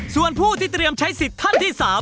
ส่วนผู้ที่เตรียมใช้สิทธิ์ท่านที่๓